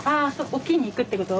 沖に行くってこと？